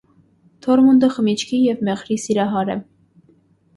Թորմունդը խմիչքի և մեղրի սիրահար է։